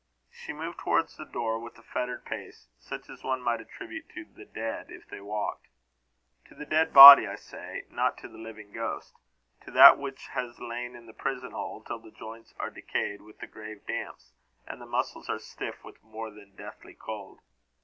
She moved towards the door with a fettered pace, such as one might attribute to the dead if they walked; to the dead body, I say, not to the living ghost; to that which has lain in the prison hold, till the joints are decayed with the grave damps, and the muscles are stiff with more than deathly cold.